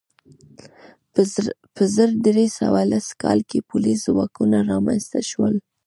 په زر درې سوه لس کال کې پولیس ځواکونه رامنځته شول.